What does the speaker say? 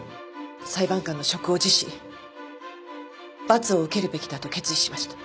裁判官の職を辞し罰を受けるべきだと決意しました。